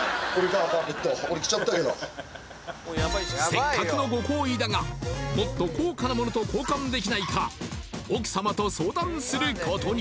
せっかくのご厚意だがもっと高価なものと交換できないか奥様と相談することに